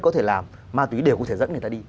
có thể làm ma túy đều có thể dẫn người ta đi